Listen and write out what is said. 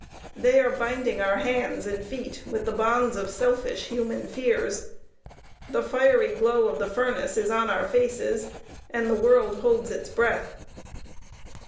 They are binding our hands and feet with the bonds of selfish human fears. The fiery glow of the furnace is on our faces and the world holds its breath.